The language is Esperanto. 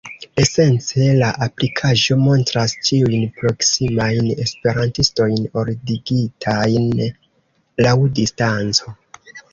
Esence, la aplikaĵo montras ĉiujn proksimajn esperantistojn ordigitajn laŭ distanco.